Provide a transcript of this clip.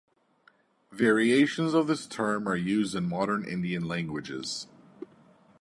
Variations of this term are used in modern Indian languages.